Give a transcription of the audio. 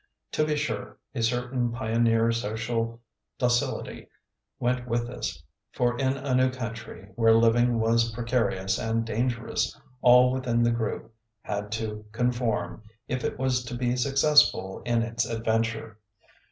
To be sure, a certain pioneer social docil ity went with this, for in a new coun try, where living was precarious and dangerous, all within the group had to conform if it was to be successful in its adventure.